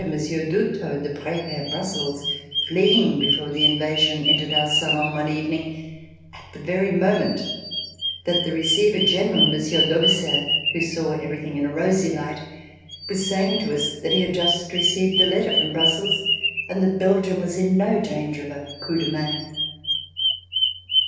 Monsieur d'Houdetot, the Prefet of Brussels, fleeing before the invasion, entered our salon one evening, at the very moment that the Receiver General, Monsieur d'Haubersaert, who saw everything in a rosy light, was saying to us that he had just received a letter from Brussels and that Belgium was in no danger of a coup de main.